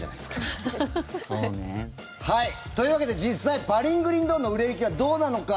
ああ、そうね。というわけで、実際「パリングリンドーン」の売れ行きはどうなのか。